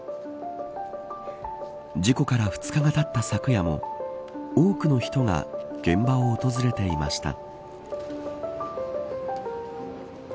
事故から２日がたった昨夜も多くの人が現場を訪れていました。